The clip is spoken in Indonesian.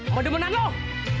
kau udah menang loh